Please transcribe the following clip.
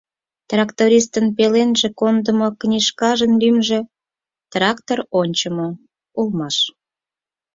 Трактористын пеленже кондымо книжкажын лӱмжӧ «Трактор ончымо» улмаш.